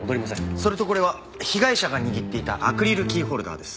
それとこれは被害者が握っていたアクリルキーホルダーです。